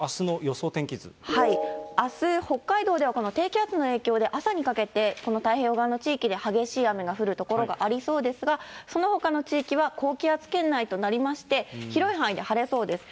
あす、北海道ではこの低気圧の影響で、朝にかけてこの太平洋側の地域で、激しい雨が降る所がありそうですが、そのほかの地域は高気圧圏内となりまして、広い範囲で晴れそうです。